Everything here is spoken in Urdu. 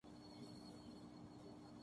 جیسے کے افغانستان میں یورپی ممالک